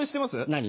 何？